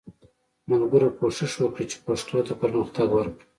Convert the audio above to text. ملګرو کوښښ وکړئ چې پښتو ته پرمختګ ورکړو